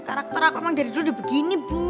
karakter aku emang dari dulu udah begini bu